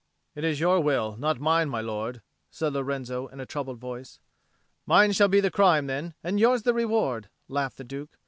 "It is your will, not mine, my lord," said Lorenzo in a troubled voice. "Mine shall be the crime, then, and yours the reward," laughed the Duke.